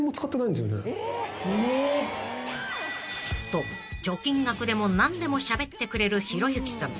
［と貯金額でも何でもしゃべってくれるひろゆきさん］